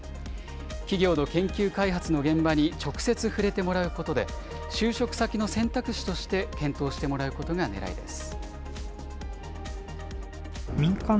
企業の研究開発の現場に直接触れてもらうことで、就職先の選択肢として検討してもらうことがねらいです。